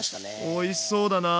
おいしそうだな。